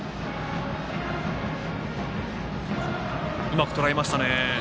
うまくとらえましたね。